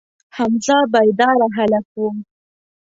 حمزه بیداره هلک و.